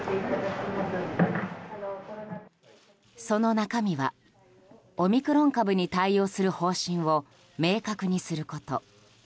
その中身はオミクロン株に対応する方針を明確にすること。